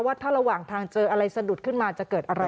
ว่าถ้าระหว่างทางเจออะไรสะดุดขึ้นมาจะเกิดอะไร